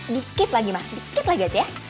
dikit lagi ma dikit lagi aja ya